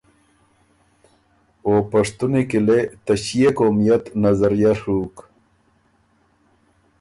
خه پشتُونی کی لې ته ݭيې قومئت نظریه ڒُوک۔